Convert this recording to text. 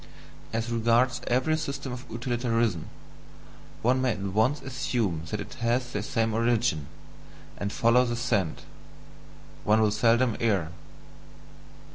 As regards every system of utilitarianism, one may at once assume that it has the same origin, and follow the scent: one will seldom err.